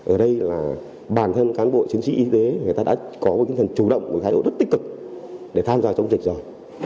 ở đây là bản thân cán bộ chiến sĩ y tế người ta đã có một tinh thần chủ động một thái độ rất tích cực để tham gia chống dịch rồi